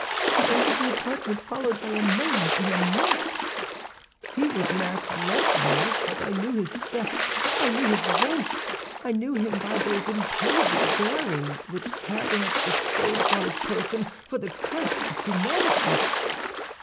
"He entered the apartment followed by a man in a mask. He was masked likewise; but I knew his step, I knew his voice, I knew him by that imposing bearing which hell has bestowed upon his person for the curse of humanity.